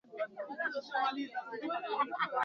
Pia Kupata idadi ya watu wanaozungumza lugha moja